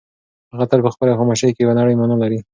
هغه تل په خپلې خاموشۍ کې یوه نړۍ مانا لري.